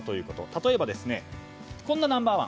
例えば、こんなナンバー１。